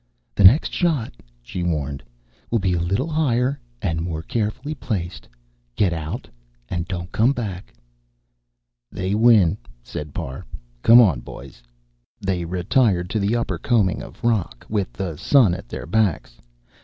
"The next shot," she warned, "will be a little higher and more carefully placed. Get out, and don't come back." "They win," said Parr. "Come on, boys." They retired to the upper combing of rock, with the sun at their backs.